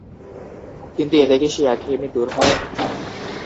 কিন্তু এতে কি সেই একঘেয়েমি দূর হয়?